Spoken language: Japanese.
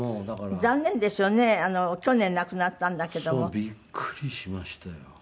びっくりしましたよ。